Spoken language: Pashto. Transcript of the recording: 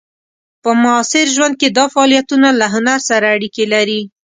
په معاصر ژوند کې دا فعالیتونه له هنر سره اړیکې لري.